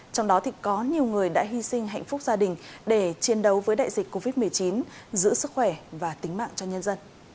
trong đó có nhiều người đã hy sinh hạnh phúc gia đình để chiến đấu với đại dịch covid một mươi chín giữ sức khỏe và tính mạng cho nhân dân